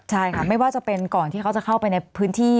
ใช่ค่ะไม่ว่าจะเป็นก่อนที่เขาจะเข้าไปในพื้นที่